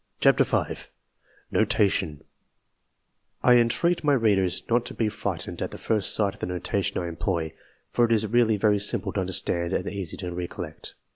44 NOTATION NOTATION I ENTREAT my readers not to be frightened at the first sight of the notation I employ, for it is really very simple to understand and easy to recollect.